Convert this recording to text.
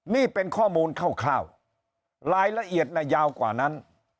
นี่เป็นข้อมูลคร่าวรายละเอียดน่ะยาวกว่านั้น